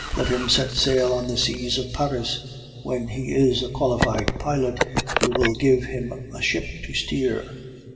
Let him set sail on the seas of Paris; when he is a qualified pilot, we will give him a ship to steer.